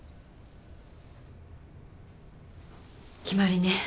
決まりね。